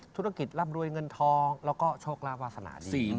ธุรกิจร่ำรวยเงินทองแล้วก็โชคลาภวาสนาดี